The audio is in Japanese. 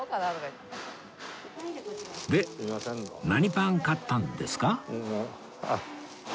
で何パン買ったんですか？